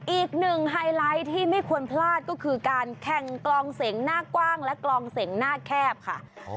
ไฮไลท์ที่ไม่ควรพลาดก็คือการแข่งกลองเสียงหน้ากว้างและกลองเสียงหน้าแคบค่ะ